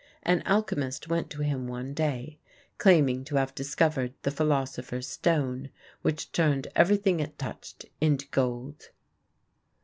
An alchemist went to him one day, claiming to have discovered the philosopher's stone, which turned everything it touched into gold.